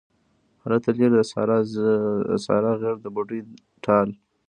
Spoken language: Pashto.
هلته لیرې د سارا غیږ د بوډۍ ټال